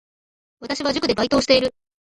私は塾でバイトをしている